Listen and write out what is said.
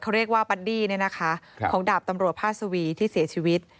เขาเรียกว่าบัดดี้ของดาบตำรวจพาสวีที่เสียชีวิต